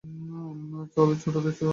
চল, ছোট, দে উড়াল!